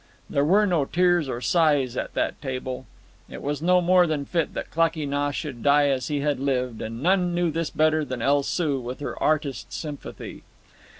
There were no tears or sighs at that table. It was no more than fit that Klakee Nah should die as he had lived, and none knew this better than El Soo, with her artist sympathy.